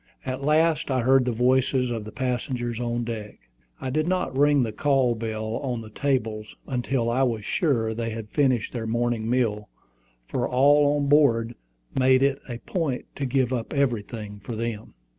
At last I heard the voices of the passengers on deck. I did not ring the call bell on the table until I was sure they had finished their morning meal, for all on board made it a point to give up everything for them.